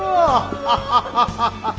ハハハハハッ。